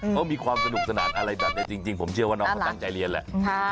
เขามีความสนุกสนานอะไรแบบนี้จริงผมเชื่อว่าน้องเขาตั้งใจเรียนแหละ